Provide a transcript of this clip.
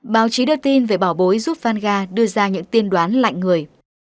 báo chí đưa tin về bảo bối giúp fanga đưa ra những tiên đoán lạnh người